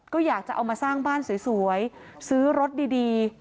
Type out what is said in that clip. ก็อยากจะเอามาสร้างบ้านสวยซื้อรถดี